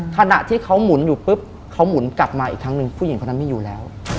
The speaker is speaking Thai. ขณะที่เขาหมุนอยู่ปุ๊บเขาหมุนกลับมาอีกครั้งหนึ่งผู้หญิงคนนั้นไม่อยู่แล้ว